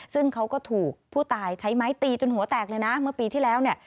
ซึ่งเขาก็ถูกผู้ตายใช้ไม้ตีจนหัวแตกเลยนะเมื่อปีที่แล้วเนี่ย